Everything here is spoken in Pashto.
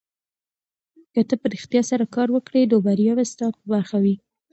که ته په رښتیا سره کار وکړې نو بریا به ستا په برخه وي.